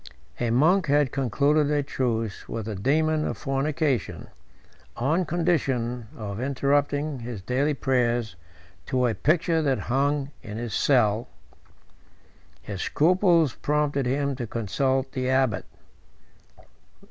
A monk had concluded a truce with the daemon of fornication, on condition of interrupting his daily prayers to a picture that hung in his cell. His scruples prompted him to consult the abbot.